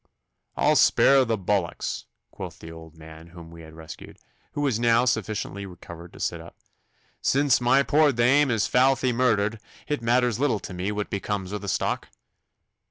'I'll spare the bullocks,' quoth the old man whom we had rescued, who was now sufficiently recovered to sit up. 'Zince my poor dame is foully murthered it matters little to me what becomes o' the stock.